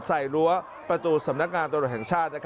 ใส่รั้วประตูสำนักงานตลอดแห่งชาติ